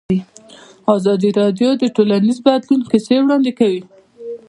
ازادي راډیو د ټولنیز بدلون کیسې وړاندې کړي.